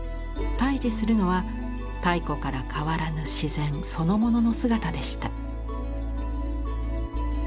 対じするのは太古から変わらぬ自然そのものの姿でした。